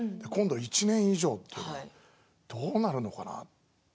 今度、１年以上どうなるのかな